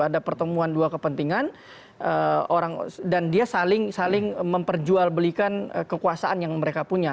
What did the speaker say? ada pertemuan dua kepentingan dan dia saling memperjualbelikan kekuasaan yang mereka punya